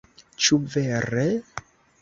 Ĉu vere?!